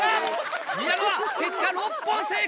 宮川結果６本正解！